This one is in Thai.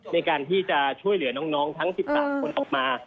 ในการที่จะช่วยเหลือน้องทั้ง๑๓คนออกมา